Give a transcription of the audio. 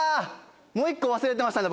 もう１個忘れてましたね